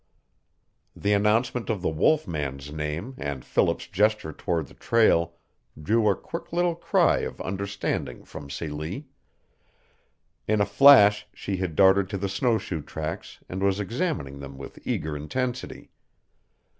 The announcement of the wolf man's name and Philip's gesture toward the trail drew a quick little cry of understanding from Celie. In a flash she had darted to the snowshoe tracks and was examining them with eager intensity.